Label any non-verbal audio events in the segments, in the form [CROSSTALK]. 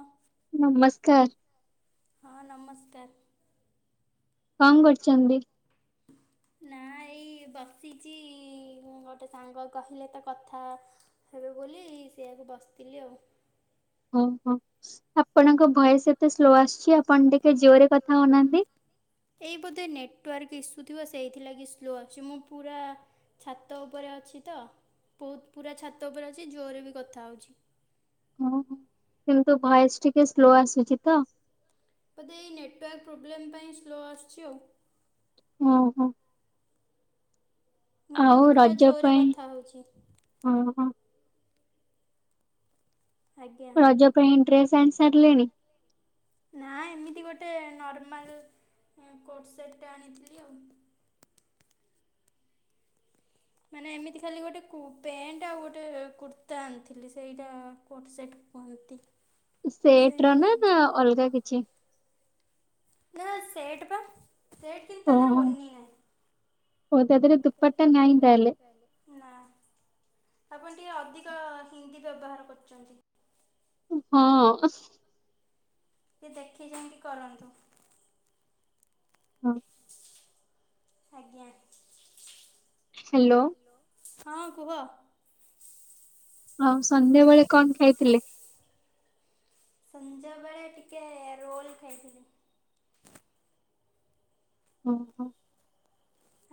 ଅଁ। ନମସ୍କାର୍। ହଁ ନମସ୍କାର୍। କଁ କରୁଚନ୍ତି? [INAUDIBLE] ନାଁ ଏଇ ବସିଚି ଇ ଗୋଟେ ସାଙ୍ଗ କହିଲେ ତ କଥା ହେବେ ବୋଲି ସେଆକୁ ବସିଥିଲି ଆଉ। ଓହୋ ଆପଣଙ୍କ ଭଏସ୍ ଏତେ ସ୍ଲୋ ଆସୁଛି ଆପଣ ଟିକେ ଜୋରେ କଥା ହଉନାହାନ୍ତି? ଏଇ ବୋଧେ ନେଟୱାର୍କ ଇସ୍ୟୁ ଥିବ ସେଇଥିଲାଗି ସ୍ଲୋ ଅଛି ମୁଁ ପୁରା ଛାତ ଉପରେ ଅଛି ତ ବୋହୁତ୍ ପୁରା ଛାତ ଓପରେ ଅଛି ଜୋରରେ ବି କଥା ହୋଉଚି। ଓହୋ କିନ୍ତୁ ଭଏସ୍ ଟିକେ ସ୍ଲୋ ଆସୁଚି ତ। ବୋଧେ ଏଇ ନେଟୱାର୍କ ପ୍ରୋବ୍ଲେମ୍ ପାଇଁ ସ୍ଲୋ ଆସିୁଚି ଆଉ। ଓ ହୋ। ମୁଁ କିନ୍ତୁ ପୁରା ଜୋରେ କଥା ହୋଉଛି। ଓ ହୋ। ଆଜ୍ଞା ରଜ ପାଇଁ ଡ୍ରେସ୍ ଆଣି ସାରିଲେଣି? ନା ଏମିତି ଗୋଟେ ନର୍ମାଲ୍ ଉଁ କୋଟ୍ ସେଟ୍ ଆଣିଥିଲି ଆଉ। ମାନେ ଏମିତି ଖାଲି ଗୋଟେ କୁ ପ୍ୟାଣ୍ଟ ଆଉ ଗୋଟେ କୁର୍ତ୍ତା ଆଣିଥିଲି ସେଇଟା କୋଟ୍ ସେଟ୍ କୁହନ୍ତି। [INAUDIBLE] ସେଟ୍ ର ସେଇଭଳିଆ ନା ନା ଆଣିଛି ଅଲ୍ଗା କିଛି? ନା ସେଟ୍ ପା। ସେଟ୍ କିନ୍ତୁ ତା ଦେହେରେ ଓହୋ ଓଣନି ନାଇଁ। ଓ ତା ଦେହରେ ଦୁପଟା ନାହିଁ ତାହେଲେ ନା ଆପଣ ଟିକେ ଅଧିକ ହିନ୍ଦୀ ବ୍ୟବହାର କରୁଚନ୍ତି। ହଁ। ଦେଖି ଚାହିଁକି କରନ୍ତୁ। ହଁ। ଥାଜ୍ଞା। ହେଲୋ। ହଁ କୁହ। ଆଉ ସନ୍ଧ୍ୟାବେଳେ କଁ ଖାଇଥିଲେ? ସଂଜ ବେଳେ ଟିକେ ରୋଲ୍ ଖାଇଥିଲି। ଓ ହୋ।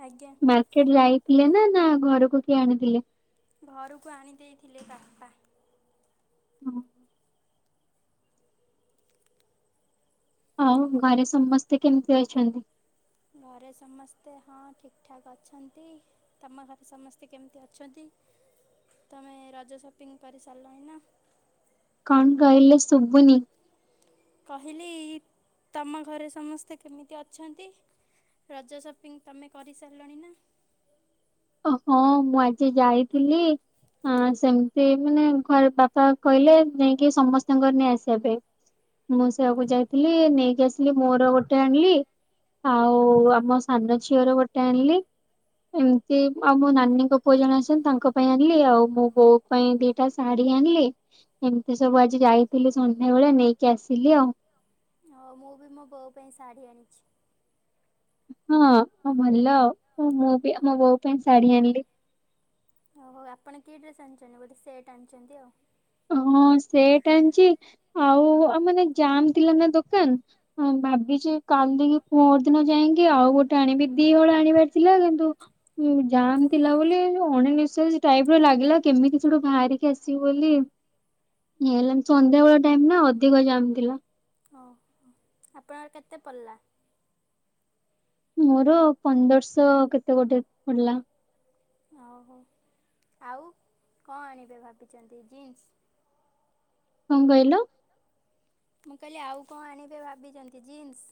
ଆଜ୍ଞା। ମାର୍କେଟ୍ ଯାଇଥିଲେ ନା ନା ଘରକୁ କିଏ ଆଣିଥିଲେ? ଘରକୁ ଆଣିଦେଇଥିଲେ ବାପା। ହୁଁ। ଆଉ ଘରେ ସମସ୍ତେ କେମ୍ ତି ଅଛନ୍ତି? ଘରେ ସମସ୍ତେ ହଁ ଠିକ୍ ଠାକ୍ ଅଛନ୍ତି। ତମ ଘରେ ସମସ୍ତେ କେମିତି ଅଛନ୍ତି? ତମେ ରଜ ସପିଙ୍ଗ କରିସାରିଲଣି ନା? କଣ୍ କହିଲେ ସୁବୁନି? କହିଲି ତମ ଘରେ ସମସ୍ତେ କେମିତି ଅଛନ୍ତି? ରଜ ସପିଙ୍ଗ୍ ତମେ କରିସାରିଲଣି ନା? ଓହୋ ମୁଁ ଆଜି ଯାଇଥିଲି। ହଁ ସେମିତି ମାନେ ଘରେ ପାପା କହିଲେ ଯାଇକି ସମସ୍ତଙ୍କର ନେଇ ଆସିବା ପାଇଁ। ମୁଁ ସେୟାକୁ ଯାଇଥିଲି ନେଇକି ଆସିଲି ମୋର ଗୋଟେ ଆଣିଲି। ଆଉ ଆମ ସାନ ଝିଅର ଗୋଟେ ଆଣିଲି। ଏମ ତି ଆଉ ମୋ ନାନୀଙ୍କ ପୁଅ ଜଣ ଆସଛନ୍ତି ତାଙ୍କ ପାଇଁ ଆଣିଲି। ଆଉ ମୋ ବୋଉ ପାଇଁ ଦିଟା ଶାଢୀ ଆଣିଲି। ଏମତି ସବୁ ଆଜି ଯାଇଥିଲି ସନ୍ଧ୍ୟା ବେଳେ ନେଇକି ଆସିଲି ଆଉ। ଆଉ ମୁଁ ବି ମୋ ବୋଉ ପାଇଁ ଶାଢ଼ୀ ଆଣିଛି। ହଁ, ହଁ ଭଲ ଆଉ ମୁଁ ବି ଆ, ବୋଉ ପାଇଁ ଶାଢୀ ଆଣିଲି। ଓ ହଉ ଆପଣ କି ଡ୍ରେସ୍ ଆଣିଛନ୍ତି? ବୋଧେ ସେଟ୍ ଆଣିଛନ୍ତି ଆଉ। ହଁ, ସେଟ୍ ଆଣିଚି, ଆଉ ଆ, ମାନେ ଜାମ୍ ଥିଲା ନା ଦୋକାନ। ହଁ ଭାବିଚି କାଲି କି ପଅର ଦିନ ଯାଇକି ଆଉ ଗୋଟେ ଆଣିବି। ଦିହଳ ଆଣିବାର ଥିଲା କିନ୍ତୁ ଉ, ଜାମ୍ ଥିଲା ବୋଲି ଯୋଉ ଅଣ ନିଶ୍ୱାସି ଟାଇପ୍ ର ଲାଗିଲା କେମିତି ସେଠୁ ବାହାରିକି ଆସିବୁ ବୋଲି। ଇଏ ହେଲାନି ସନ୍ଧ୍ୟାବେଳ ଟାଇମ୍ ନା ଅଧିକ ଜାମ୍ ଥିଲା। ଓ ହଁ। ଆପଣଙ୍କର କେତେ ପଲା? ମୋର ପନ୍ଦରଶହ କେତେ ଗୋଟେ ପଡଲା। ଆ, ହଉ ଆଉ କଣ ଆଣିବେ ଭାବିଚନ୍ତି ଜିନ୍ସ? କଣ କହିଲ? ମୁଁ କହିଲି ଆଉ କଣ ଆଣିବେ ଭାବିଚନ୍ତି ଜିନ୍ସ?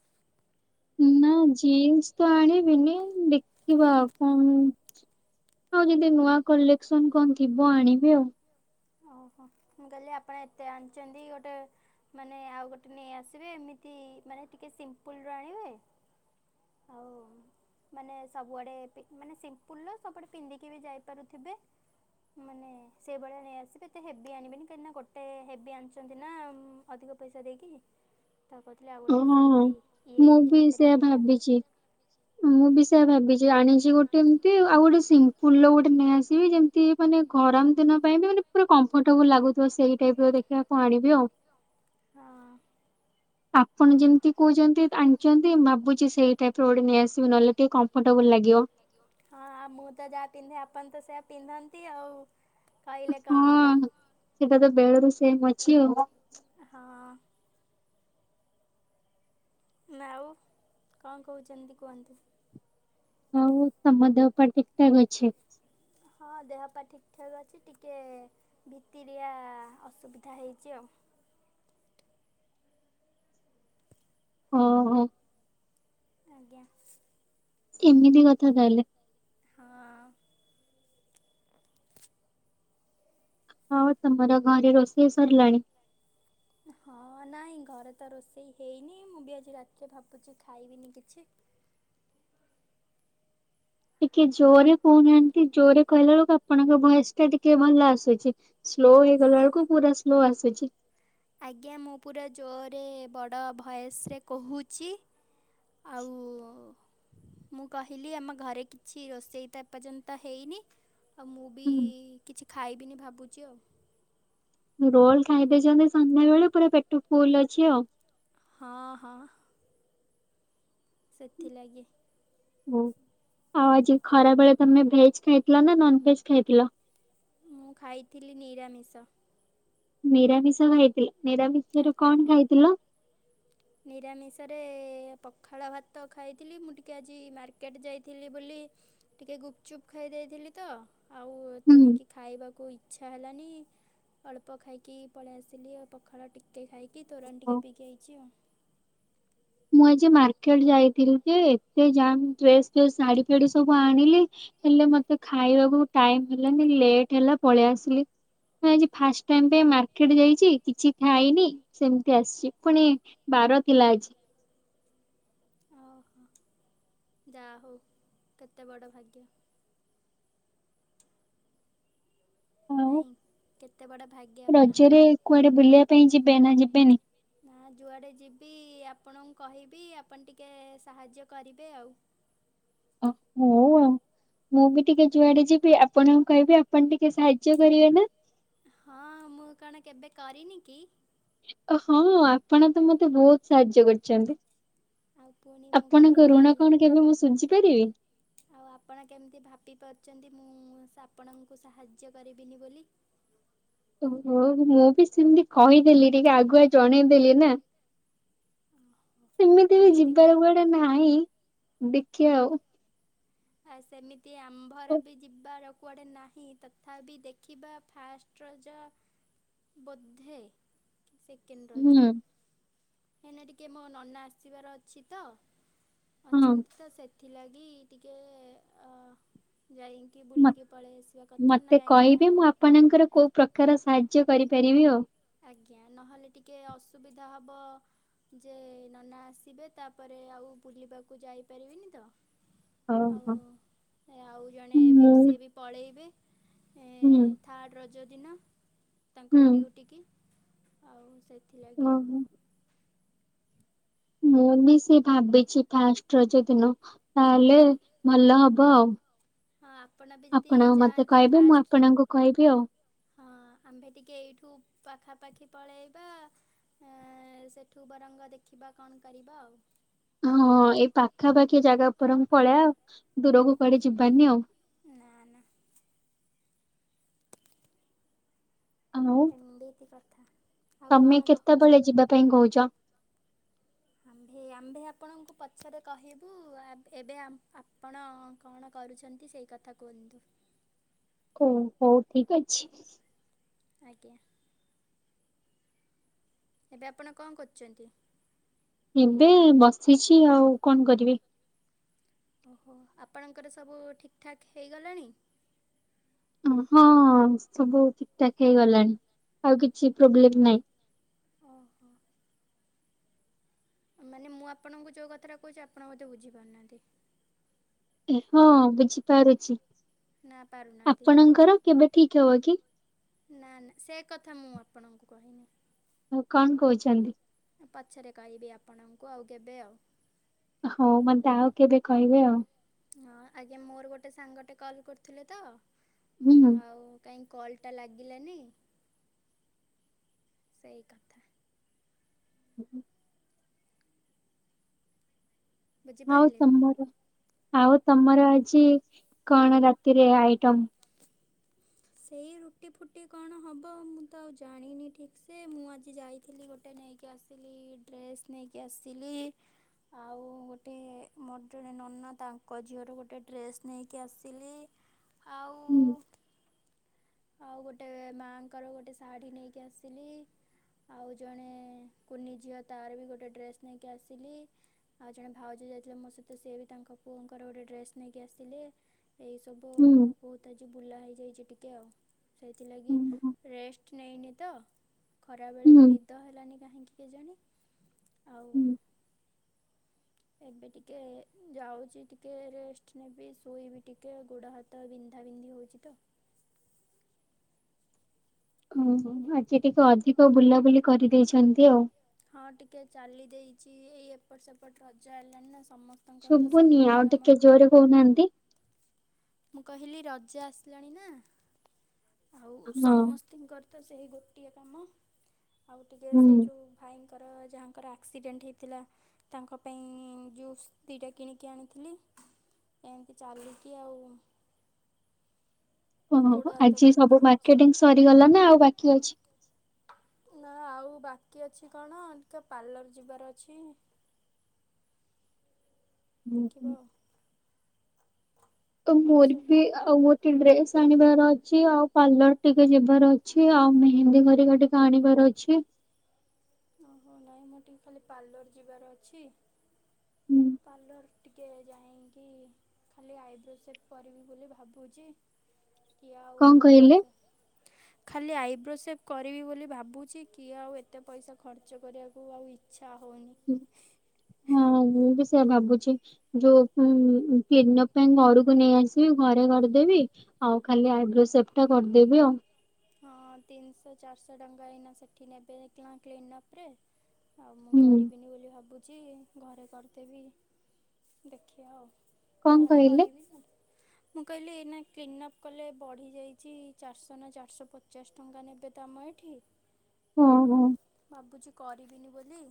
ନା ଜିନ୍ସ ତ ଆଣିବିନି ଦେଖିବା ଆଉ କଣ ଆଉ ଯଦି ନୂଆ କଲେକ୍ସନ କଣ ଥିବ ଆଣିବି ଆଉ। ଓହୋ! ମୁଁ କହିଲି ଆପଣ ଏତେ ଆଣିଚନ୍ତି ଗୋଟେ ମାନେ ଆଉ ଗୋଟେ ନେଇ ଆସିବେ ଏମିତି ମାନେ ଟିକେ ସିମ୍ପୁଲର ଆଣିବେ। ଆଉ ମାନେ ସବୁଆଡ଼େ ପି-ମାନେ ସିମ୍ପୁଲର ସବୁଆଡ଼େ ପିନ୍ଧିକି ବି ଯାଇପାରୁଥିବେ। ମାନେ ସେଭଳିଆ ନେଇ ଆସି ଏତେ ହେବି ଆଣିବେନି କାହିଁକି ନା ଗୋଟେ ହେବି ଆଣିଛନ୍ତି ନା ଉଁ, ଅଧିକ ପଇସା ଦେଇକି। ତ କହୁଥିଲେ ଆଉ ହଁ ଗୋଟେ ସେମିତି ଇଏ ମୁଁ ରେଞ୍ଜ ବି ଭିତରେ ସେୟା ଆଣିବେ। ଭାବିଛି। ମୁଁ ବି ସେୟା ଭାବିଚି। ଆଣିଛି ଗୋଟେ ଏମତି ଆଉ ଗୋଟେ ସିମ୍ପୁଲ ର ଗୋଟେ ନେଇ ଆସିବି ଯେମ ତି ମାନେ ଗରମ ଦିନ ପାଇଁ ବି ମାନେ ପୁରା କମ୍ଫର୍ଟେବୁଲ୍ ଲାଗୁଥିବ ସେଇ ଟାଇପ୍ ର ଦେଖିବା କଣ ଆଣିବି ଆଉ। ହଁ। ଆପଣ ଯେମିତି କହୁଚନ୍ତି ଆଣିଚନ୍ତି, ଭାବୁଚି ସେଇ ଟାଇପ୍ ର ଗୋଟେ ନେଇଆସିବି। ନହେଲେ ଟିକେ କମ୍ଫର୍ଟେବୁଲ୍ ଲାଗିବ। ହଁ ଆ, ମୁଁ ତ ଯାହା ପିନ୍ଧେ ଆପଣ ତ ସେଇଆ ପିନ୍ଧନ୍ତି ଆଉ କହିଲେ କଣ ହବ। ହଁ ସେଟା ତ ବେଳରୁ ସେମ୍ ଅଛି ଆଉ। ଏ ହଁ। ନା ଆଉ କଣ କହୁଚନ୍ତି କୁହନ୍ତୁ? ଆଉ ତୋମ ଦେହ ପା ଠିକଠାକ୍ ଅଛି? ହଁ ଦେହ ପା ଠିକ ଠାକ୍ ଅଛି। ଟିକେ ଭିତିରିଆ ଅସୁବିଧା ହେଇଚି ଆଉ। ଓ ହୋ। ଆଜ୍ଞା। ଏମିତି କଥା ତାହାଲେ। ହଁ। ଆଉ ତୋମର ଘରେ ରୋଷେଇ ସରିଲାଣି? ହଁ, ନାଇଁ ଘରେ ତ ରୋଷେଇ ହେଇନି ମୁଁ ବି ଆଜି ରାତିରେ ଭାବୁଚି ଖାଇବିନି କିଛି। ଟିକେ ଜୋରେ କହୁନାହାନ୍ତି ଜୋରେ କହିଲା ବେଳକୁ ଆପଣଙ୍କ ଭଏସ୍ ଟା ଟିକେ ଭଲ ଆସୁଛି। ସ୍ଲୋ ହେଇଗଲା ବେଳକୁ ପୁରା ସ୍ଲୋ ଆସୁଛି। ଆଜ୍ଞା ମୁଁ ପୁରା ଜୋରରେ ବଡ଼ ଭଏସ୍ ରେ କହୁଛି। ଆଉ ମୁଁ କହିଲି ଆମ ଘରେ କିଛି ରୋଷେଇ ତ ଏପର୍ଯ୍ୟନ୍ତ ହେଇନି। ଆଉ ମୁଁ ବି କିଛି ଖାଇବିନି ଭାବୁଚି ଆଉ। ରୋଲ୍ ଖାଇଦେଇଛନ୍ତି ସନ୍ଧ୍ୟାବେଳେ ପୁରା ପେଟ ଫୁଲ୍ ଅଛି ଆଉ। ହଁ, ହଁ। ସେଥିଲାଗି। ବୋଉ ଆଉ ଆଜି ଖରା ବଳେ ତମେ ଭେଜ୍ ଖାଇଥିଲ ନା ନନଭେଜ୍ ଖାଇଥିଲ? ମୁଁ ଖାଇଥିଲି ନିରାମିଷ। ନିରାମିଷ ଉ ଯେତିଲେ ନିରାମିଷରେ ଆଜ୍ଞା। କଣ ଖାଇଥିଲ? ନିରାମିଷରେ ପଖାଳ ଭାତ ଖାଇଥିଲି ମୁଁ ଟିକେ ଆଜି ମାର୍କେଟ୍ ଯାଇଥିଲି ବୋଲି ଟିକେ ଗୁପଚୁପ୍ ଖାଇ ଦେଇଥିଲି ତ ଆଉ ହୁଁ। ତେଣିକି ଖାଇବାକୁ ଇ ଇଚ୍ଛା ହେଲାନି ଅଳ୍ପ ଖାଇକି ପଳେଇ ଆସିଲି ଆଉ ପଖାଳ ଟିକେ ଖାଇ ପି ତୋରାଣି ହଁ। ଟିକେ ପିଇକି ଆଇଚି ଆଉ। ମୁଁ ଆଜି ମାର୍କେଟ୍ ଯାଇଥିଲି ଯେ ଏତେ ଜାମ୍ ଡ୍ରେସ୍ ଫ୍ରେସ୍ ଶାଢ଼ୀ ଫାଢ଼ୀ ସବୁ ଆଣିଲି। ହେଲେ ମତେ ଖାଇବାକୁ ବି ଟାଇମ୍ ହେଲାନି ଲେଟ୍ ହେଲା ପଳିଆସିଲି। ଉଁ ଆଜି ଫାଷ୍ ଟାଇମ୍ ପାଇଁ ମାର୍କେଟ ଯାଇଚି କିଛି ଖାଇନି ସେମିତି ଆସଚି ପୁଣି ବାର ଥିଲା ଆଜି। ଓହୋ ଯା ହଉ କେତେ ବଡ଼ ଭାଗ୍ୟ। ଆଉ ନାଇଁ କେତେ ବଡ଼ ଭାଗ୍ୟ ରଜରେ ଆପଣଙ୍କର। କୁଆଡ଼େ ବୁଲିବା ପାଇଁ ଯିବେ ନା ଯିବେନି? ନାଁ ଯୁଆଡ଼େ ଯିବି ଆପଣଙ୍କୁ କହିବି ଆପଣ ଟିକେ ସାହାଯ୍ୟ କରିବେ ଆଉ। ଅ ହୋଉ। ମୁଁ ବି ଟିକେ ଯୁଆଡ଼େ ଯିବି ଆପଣଙ୍କୁ କହିବି ଆପଣ ଟିକେ ସାହାଯ୍ୟ କରିବେ ନାଁ? ହଁ ମୁଁ କଣ କେବେ କରିନି କି? ଓ ହଁ ଆପଣ ତ ମତେ ବୋହୁତ ସାହାଯ୍ୟ କରିଚନ୍ତି। ଆଉ ପୁଣି ମୁଁ ଆପଣଙ୍କ କେମିତି ଋଣ କଣ କେବେ ମୁଁ ଶୁଝି ପାରିବି? ଆଉ ଆପଣ କେମତି ଭାବି ପାରୁଚନ୍ତି ମୁଁ ସା ଆପଣଙ୍କୁ ସାହାଯ୍ୟ କରିବିନି ବୋଲି? ଓହୋ ହୋଉ ମୁଁ ବି ସେମତି କହିଦେଲି ଟିକେ ଆଗୁଆ ଜଣେଇଦେଲି ନା। ଓହୋ ସେମିତି ବି ଏମିତି ଯିବାର କଥା କୁଆଡ଼େ ନାହିଁ ଦେଖିଆ ଆଉ। ଆ ସେମିତି ଆମ୍ଭର ଓ, ବି ଯିବାର କୁଆଡ଼େ ନାହିଁ ତଥାପି ଦେଖିବା ଫାଷ୍ଟ୍ ରଜ ବୋଧେ କି ସେକେଣ୍ଡ୍ ରଜ। ହୁଁ ହେନେ ଟିକେ ମୋ ନନା ଆସିବାର ଅଛି ତ ହଁ ଅଛନ୍ତି ତ ସେ ଥିଲାଗି ଟିକେ ଅ ଯାଇ କି ବୁଲିକି ପଳେଇଆସିବା କଥା ନା କାଇଁକି ନା ପଣଙ୍କର କୋଉ ପ୍ରକାର ସାହାଯ୍ୟ କରିପାରିବି ଆଉ? ଆଜ୍ଞା ନହେଲେ ଟିକେ ଅସୁବିଧା ହବ। ଯେ ନନା ଆସିବେ ତାପରେ ଆଉ ବୁଲିବାକୁ ଯାଇପାରିବେନି ତ। ଆଉ ଓହୋ। ଏ ଆଉ ଜଣେ ବି ମୁଁ ସିଏ ବି ପଳେଇବେ। ଏ ହୁଁ ଥାର୍ଡ଼ ରଜ ଦିନ ତାଙ୍କ ହୁଁ। ଡିଉଟି କି। ଆଉ ସେଥିଲାଗି ଆଉ। ଓହୋ। ମୁଁ ବି ସେ ଭାବିଚି ଫାଷ୍ଟ୍ ରଜ ଦିନ ନହେଲେ ଭଲ ହ ବ ଆଉ। ହଁ ଆପଣ ବି ଯଦି ଆପଣଙ୍କୁ ମତେ ଯାଆନ୍ତି କହିବେ ମୁଁ ଫାଷ୍ଟ ଆପଣଙ୍କୁ କହିବି ଆଉ। ହଁ ଆମ୍ଭେ ଟିକେ ଏଇଠୁ ପାଖାପାଖି ପଳେଇବା। ଏଁ ସେଠୁ ବରଙ୍ଗ ଦେଖିବା କଣ କରିବା ଆଉ। ହଁ ଏଇ ପାଖାପାଖି ଜାଗା ଓପରଂ ପଳେଇଆ ଦୂରକୁ କୁଆଡ଼େ ଯିବାନି ଆଉ। ନାଁ ନାଁ। ଆଉ ଉଁ ଦିତି କଥା। ଆଉ ତମେ କଣ କହୁଛି କେତେବେଳେ ଯିବା ପାଇଁ କହୁଚ? ଆମ୍ଭେ ଆମ୍ଭେ ଆପଣଙ୍କୁ ପଛରେ କହିବୁ ଏବ୍ ଏବେ ଆ ଆପଣ କଣ କରୁଛନ୍ତି ସେଇ କଥା କୁହନ୍ତୁ। ଓ ହଉ ଠିକ୍ ଅଛି। ଆଜ୍ଞା। ଏବେ ଆପଣ କଁ କରଚନ୍ତି? ଏବେ ବସିଛି ଆଉ କଣ କରିବି? ଓହୋ ଆପଣଙ୍କର ସବୁ ଠିକ୍ ଠାକ୍ ହେଇଗଲାଣି? ହଁ ସବୁ ଠିକ୍ ଠାକ୍ ହେଇଗଲାଣି ଆଉ କିଛି ପ୍ରୋବ୍ଲେମ ନହିଁ। ଓହୋ। ମାନେ ମୁଁ ଆପଣଙ୍କୁ ଯୋଉ କଥାଟା କହୁଛି ଆପଣ ବୋଧେ ବୁଝିପାରୁନାହାନ୍ତି। ହଁ ବୁଝିପାରୁଛି। ନା ପାରୁନାହାନ୍ତି। ଆପଣଙ୍କର କେବେ ଠିକ ହବ କି? ନା ନା ସେ କଥା ମୁଁ ଆପଣଙ୍କୁ କହିନି। ଉମ୍ କଣ କହୁଛନ୍ତି? ପଛରେ କହିବି ଆପଣଙ୍କୁ ଆଉ କେବେ ଆଉ। ହଉ ମତେ ଆଉ କେବେ କହିବେ ଆଉ। ହଁ ଆଜ୍ଞା ମୋର ଗୋଟେ ସାଙ୍ଗଟେ କଲ୍ କରୁଥିଲେ ତ, ହୁଁ ଆଉ କାଇଁ କଲ୍ ଟା ଲାଗିଲାନି? ସେଇ କଥା। ହୁଁଁ। [UNINTELLIGIBLE] ହଉ ବୁଝିପାରିଲେ। ତମର ଆଉ ତମର ଆଜି କଣ ରାତିରେ ଆଇଟମ୍? ସେଇ ରୁଟି ଫୁଟି କଣ ହବ ମୁଁ ତ ଆଉ ଜାଣିନି ଠିକ୍ ସେ ମୁଁ ଆଜି ଯାଇଥିଲି ଗୋ ଗୋଟେ ନେଇକି ଆସିଲି, ଡ୍ରେସ ନେଇକି ଆସିଲି। ଆଉ ଗୋଟେ ମୋର ଜଣେ ନନା ତାଙ୍କ ଝିଅର ଗୋଟେ ଡ୍ରେସ୍ ନେଇକି ଆସିଲି। ଆଉ ହୁଁ ଆଉ ଗୋଟେ ମାଆଙ୍କର ଗୋଟେ ଶାଢୀ ନେଇକି ଆସିଲି। ଆଉ ଜଣେ କୁନି ଝିଅ ତାର ବି ଗୋଟେ ଡ୍ରେସ୍ ନେଇକି ଆସିଲି। ଆଉ ଜଣେ ଭାଉଜ ଯାଇଥିଲେ ମୋ ସହିତ ସିଏ ବି ତାଙ୍କ ପୁଅଙ୍କର ଗୋଟେ ଡ୍ରେସ୍ ନେଇକି ଆସିଲେ ଏଇ ସବୁ ହୁଁ ବହୁତ୍ ଆଜି ବୁଲା ହେଇଯାଇଛି ଟିକେ ଆଉ। ସେଇଥିଲାଗି ହୁଁ ରେଷ୍ଟ ନେଇନି ତ। ଖରାବେଳେ ହୁଁ ବି ନିଦ ହେଲାନି କାହିଁକି କେଜାଣି ଆଉ ଏବେ ଟିକେ ଯାଉଛି ଟିକେ ରେଷ୍ଟ ନେବି ଶୋଇବି ଟିକେ ଗୋଡ ହା ବିନ୍ଧା ବିନ୍ଧି ହଉଛି ତ। ହୁଁ ହୁଁ ଆଜି ଟିକେ ଅଧିକ ବୁଲାବୁଲି କରିଦେଇଛନ୍ତି ଆଉ। ହଁ ଟିକେ ଚାଲି ଦେଇଛି ଏଇ ଏପଟ ସେପଟ ରଜ ଆଇଲାଣିି ନା ସମ ଶୁଭୁନି ଆଉ ଟିକେ ଜୋରେ କହୁନାହାନ୍ତି। ମୁଁ କହିଲି ରଜ ଆସିଲାଣି ନା ଆଉ ହଁ ସମ ତିଙ୍କର ତ ସେହି ଗୋଟିଏ କାମ ଆଉ ଟିକେ ହୁଁ। ସେଇ ଯୋଉ ଭାଇଙ୍କର ଯାହାଙ୍କର ଆକ୍ସିଡେଣ୍ଟ ହେଇଥିଲା ତାଙ୍କ ପାଇଁ ଜୁସ୍ ଦି ଟା କିଣିକି ଆଣିଥିଲି। ଏମିତି ଚାଲିକି ଆଉ। ହଁ ଗୋଡ଼ ହାତ ଆଜି ସବୁ ବିନ୍ଧା ହେଉଛି। ମାର୍କେଟିଂ ସରିଗଲା ନା ଆଉ ବାକି ଅଛି? ନା ଆଉ ବାକି ଅଛି କଣ ଟିକେ ପାର୍ଲର ଯିବାର ଅଛି। ହୁଁ ହୁଁ। ଦେଖିବା ଆଉ। ତ ମୋର ସେ ବି ଆଉ ମୋ ଟିକେ ଡ୍ରେସ ଆଣିବାର ଅଛି ଆଉ। ପାର୍ଲର ଟିକେ ଯିବାର ଅଛି ଆଉ ମେହେନ୍ଦୀ ହରିକା ଟିକେ ଆଣିବାର ଅଛି। ଓହୋ ନାଇଁ ମୁଁ ଟିକେ ଖାଲି ପାର୍ଲର ଯିବାର ଅଛି। ହୁଁ ପାର୍ଲର ଟିକେ ଯାଇଁକି ଖାଲି ଆଇବ୍ରୋ ସେଭ୍ କରିବି ବୋଲି ଭାବୁଛି, କିଏ ଆଉ କଣ କହିଲେ ପଇସା ଖାଲି ଆଇବ୍ରୋ ସେଭ୍ କରିବି ବୋଲି ଭାବୁଛି କିଏ ଆଉ ଏତେ ପଇସା ଖର୍ଚ୍ଚ କରିଆକୁ ଆଉ ଇଚ୍ଛା ହଉନି। ହଁ ମୁଁ ବି ସେୟା ଭାବୁଛି। ଯୋଉ ଉମ୍ ପିନ ପାଇଁ ଘରକୁ ନେଇ ଆସିବି ଘରେ କରିଦେବି। ଆଉ ଖାଲି ଆଇବ୍ରୋ ସେଭ୍ ଟା କରିଦେବି ଆଉ। ହଁ ତିନିଶହ ଚାରିଶହ ଟଙ୍କା ଏଇନା ସେଠି ନେବେ କ୍ଲିନ୍ କ୍ଲିନ୍ଅପରେ। ଆଉ ମୁଁ ହୁଁ କରିବିନି ବୋଲି ଭାବୁ ଛି ଘରେ କରିଦେବି, ଦେଖିଆ ଆଉ କଣ ଘରେ କହିଲେ? କରିବି ମୁଁ କହିଲି ଏଇନା କ୍ଲିନଅପ୍ କଲେ ବଢ଼ିଯାଇଛି ଚାରିଶହ ନା ଚାରିଶହ ପଚାଶ ଟଙ୍କା ନେବେ ତ ଆମ ଏଠି ହଁ ଆଉ ହଁ। ଭାବୁଚି କରିବିନି ବୋଲି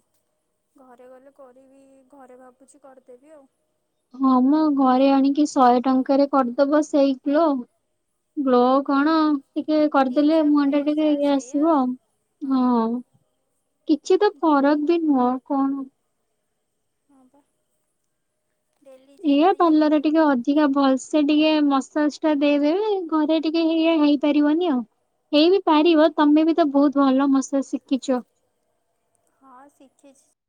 ଘରେ ଗଲେ କରିବି ଘରେ ଭାବୁଚି କରିଦେବି ଆଉ। ହଁ ମ ଘରେ ଆଣିକି ଶହେ ଟଙ୍କାରେ କରିଦବ ସେଇ ଗ୍ଲୋ। ହଁ ଟିକେ ନିଜ କରିଦେଲେ ମୁହଁ ଟା ଫେସ୍ ଟିକେ ଯାହା ଇଏ ସେଇଆ ଆସିବ ହଁ ଆଉ। କିଛି ତ ଫରକ୍ ବି ନୁହଁ କଣ ହଁ ପା ଡେଲି ଯାହା ଇଏ କରିବା କା ଭଲସେ ଟିକେ ମସାଜ ଟା ଦେଇଦେବେ ଘରେ ଟିକେ ହେଇଆ ହେଇପାରିବନି ଆଉ ହେଇ ବି ପାରିବ ତମେ ବି ତ ବୋହୁତ ଭଲ ମସାଜ ଶିକିଚ। ହଁ ଶିଖିଛି